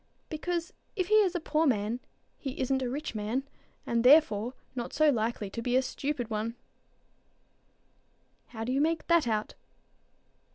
"Because if he is a poor man, he isn't a rich man, and therefore not so likely to be a stupid." "How do you make that out?"